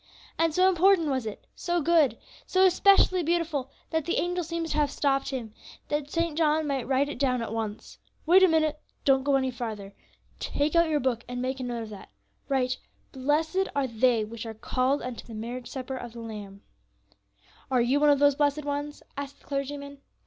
And so important was it, so good, so specially beautiful, that the angel seems to have stopped him, that St. John might write it down at once: Wait a minute, don't go any farther, take out your book and make a note of that, 'Write, Blessed are they which are called unto the marriage supper of the Lamb.' "Are you one of those blessed ones?" asked the clergyman.